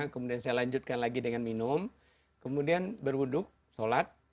kemudian saya lanjutkan lagi dengan minum kemudian berwuduk sholat